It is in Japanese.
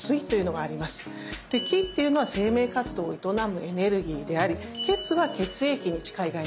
で「気」っていうのは生命活動を営むエネルギーであり「血」は血液に近い概念です。